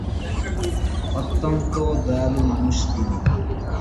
অত্যন্ত দয়ালু মানুষ তিনি।